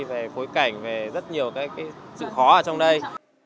về phối cảnh về rất nhiều cái sự khó ở trong đây